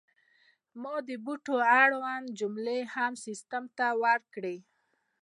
ما د بوټو اړوند جملې هم سیستم ته ورکړې.